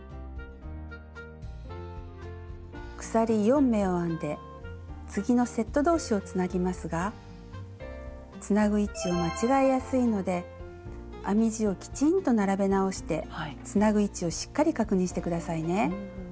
鎖４目を編んで次のセット同士をつなぎますがつなぐ位置を間違えやすいので編み地をきちんと並べ直してつなぐ位置をしっかり確認して下さいね。